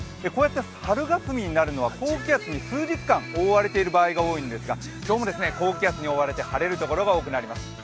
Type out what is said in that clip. こうやって春がすみになるのは高気圧に数日間覆われている場合が多いんですが、今日も高気圧に覆われて晴れる所が多くなります。